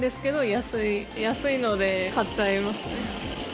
安いので買っちゃいますね。